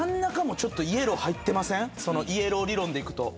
そのイエロー理論でいくと。